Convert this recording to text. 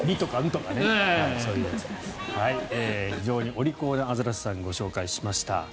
というお利口なアザラシさんをご紹介しました。